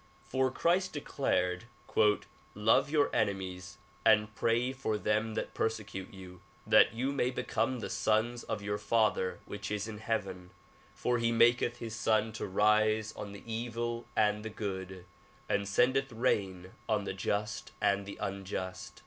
For Christ declared "Love your enemies, and pray for them that persecute you that you may be sons of your Father which is in heaven ; for he maketh his sun to rise on the evil and the good, and sendeth rain on the just and the unjust.